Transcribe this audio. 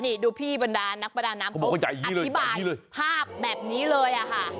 นี่ดูพี่บรรดานักประดาน้ำเขาบอกอธิบายภาพแบบนี้เลยอะค่ะ